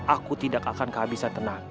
aku tidak akan kehabisan tenaga